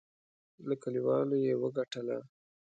له کلیوالو یې وګټله.